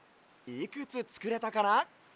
いくつつくれたかな？